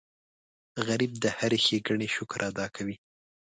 غریب د هرې ښېګڼې شکر ادا کوي